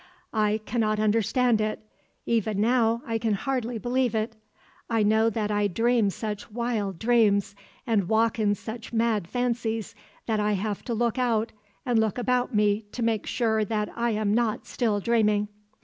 I cannot understand it, even now I can hardly believe it. I know that I dream such wild dreams and walk in such mad fancies that I have to look out and look about me to make sure that I am not still dreaming.